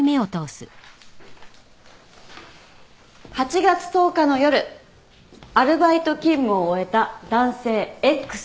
８月１０日の夜アルバイト勤務を終えた男性Ｘ